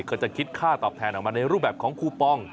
ก็จะคิดค่าตอบแทนออกมาในรูปแบบของคูปอง